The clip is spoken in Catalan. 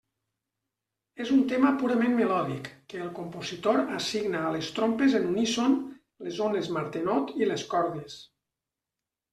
És un tema purament melòdic, que el compositor assigna a les trompes en uníson, les ones Martenot i les cordes.